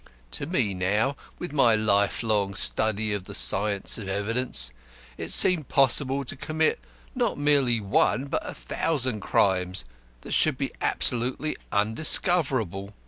To me now, with my lifelong study of the science of evidence, it seemed possible to commit not merely one but a thousand crimes that should be absolutely undiscoverable.